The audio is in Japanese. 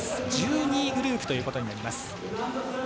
１２位グループということになります。